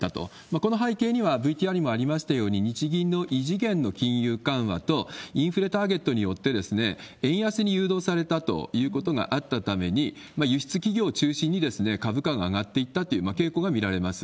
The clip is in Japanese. この背景にはＶＴＲにもありましたように、日銀の異次元の金融緩和とインフレターゲットによって、円安に誘導されたということがあったために、輸出企業を中心に株価が上がっていったという傾向が見られます。